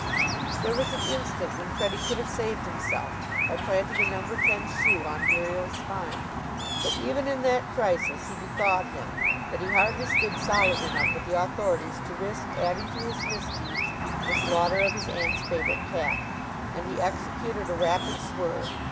There was an instant when Freddie could have saved himself by planting a number ten shoe on Muriel's spine, but even in that crisis he bethought him that he hardly stood solid enough with the authorities to risk adding to his misdeeds the slaughter of his aunt's favorite cat, and he executed a rapid swerve.